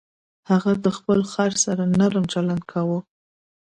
هغه د خپل خر سره نرم چلند کاوه.